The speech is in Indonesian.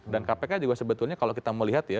dan kpk juga sebetulnya kalau kita mau lihat ya